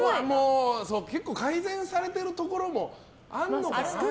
結構、改善されてるところもあるのかな。